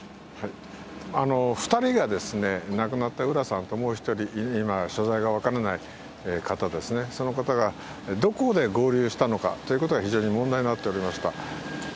２人が、亡くなった浦さんともう一人、今、所在が分からない方ですね、その方がどこで合流したのかということが、非常に問題になっておりました。